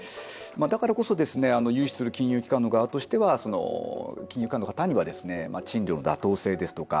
だからこそ融資する金融機関の側としては金融機関の方には賃料の妥当性ですとか。